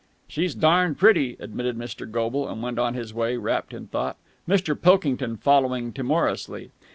"She's darned pretty," admitted Mr. Goble, and went on his way wrapped in thought, Mr. Pilkington following timorously.